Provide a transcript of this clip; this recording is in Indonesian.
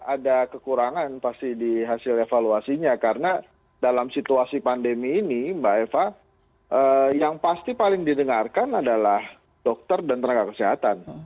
ada kekurangan pasti di hasil evaluasinya karena dalam situasi pandemi ini mbak eva yang pasti paling didengarkan adalah dokter dan tenaga kesehatan